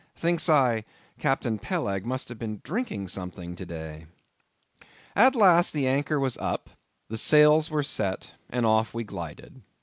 Thinks I, Captain Peleg must have been drinking something to day. At last the anchor was up, the sails were set, and off we glided.